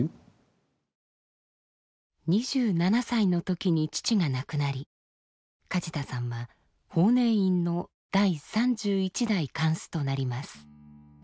２７歳の時に父が亡くなり梶田さんは法然院の第３１代貫主となります。